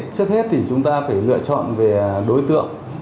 trước hết thì chúng ta phải lựa chọn về đối tượng